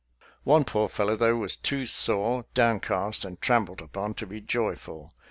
One poor fellow, though, was too sore, down cast, and trampled upon to be joyful.